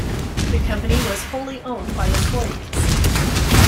The company was wholly owned by employees.